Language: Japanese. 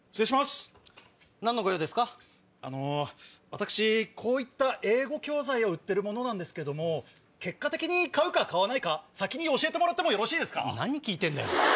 私こういった英語教材を売ってる者なんですけども結果的に買うか買わないか先に教えてもらってもいいですか。何聞いてんだよ！